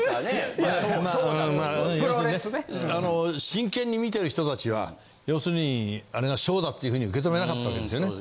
真剣に見てる人たちは要するにあれがショーだっていうふうに受け止めなかったわけですよね。